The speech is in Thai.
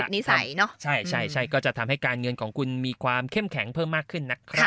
นิสัยเนอะใช่ใช่ก็จะทำให้การเงินของคุณมีความเข้มแข็งเพิ่มมากขึ้นนะครับ